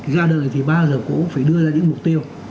ra đời thì bao giờ cũng phải đưa ra những mục tiêu